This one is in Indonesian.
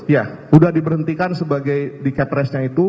ya sudah diberhentikan sebagai di kepresnya itu